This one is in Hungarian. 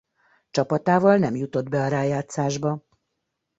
Csapatával nem jutott be a rájátszásba.